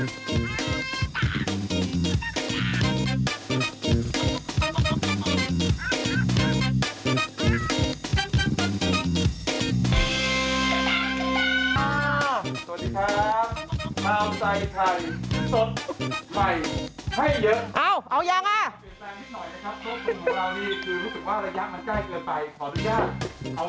สวัสดีครับมาเอาใส่ไข่สดไข่ให้เยอะ